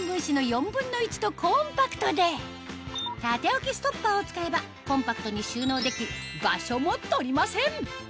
サイズは縦置きストッパーを使えばコンパクトに収納でき場所も取りません